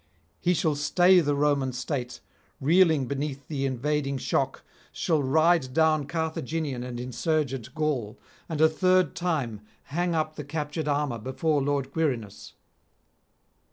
He shall stay the Roman State, reeling beneath the invading shock, shall ride down Carthaginian and insurgent Gaul, and a third time hang up the captured armour before lord Quirinus.'